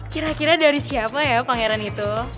kira kira dari siapa ya pangeran itu